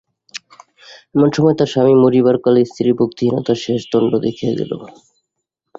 এমন সময় তার স্বামী মরিবার কালে স্ত্রীর ভক্তিহীনতার শেষ দণ্ড দিয়া গেল।